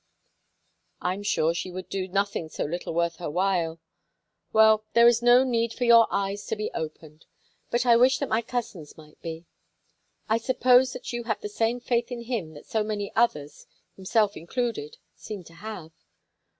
"I'm sure she would do nothing so little worth her while. Well, there is no need for your eyes to be opened; but I wish that my cousin's might be. I suppose that you have the same faith in him that so many others himself included seem to have."